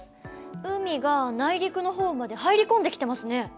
海が内陸のほうまで入り込んできてますね。